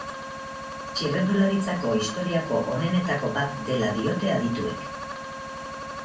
Txirrindularitzako historiako onenetako bat dela diote adituek.